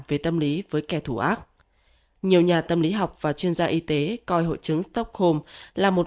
về tâm lý với kẻ thù ác nhiều nhà tâm lý học và chuyên gia y tế coi hội chứng stockholm là một